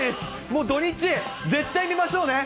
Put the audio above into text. もう土日、絶対見ましょうね。